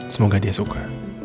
semoga dia suka